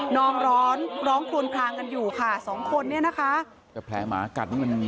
นอนร้อนร้องปลวนพรางกันอยู่ค่ะสองคนเนี่ยนะคะ